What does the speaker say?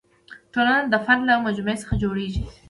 ټولنه د فرد له مجموعې څخه جوړېږي.